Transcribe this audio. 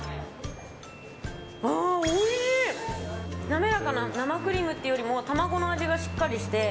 滑らかな生クリームというよりも卵の味がしっかりして。